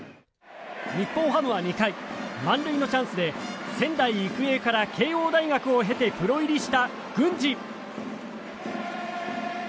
日本ハムは２回満塁のチャンスで仙台育英から慶応大学を経てプロ入りした、郡司。